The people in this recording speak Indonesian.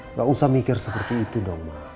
nggak usah mikir seperti itu dong